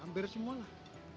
hampir semua lah